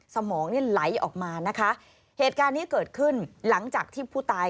สมองนี่ไหลออกมานะคะเหตุการณ์นี้เกิดขึ้นหลังจากที่ผู้ตาย